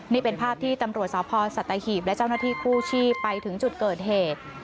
นี่เป็นภาพที่ตำรวจสพสัตหีบและเจ้าหน้าที่กู้ชีพไปถึงจุดเกิดเหตุ